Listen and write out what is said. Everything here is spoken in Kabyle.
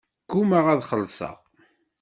Ggumaɣ ad xellṣeɣ.